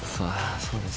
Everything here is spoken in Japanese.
そうですね。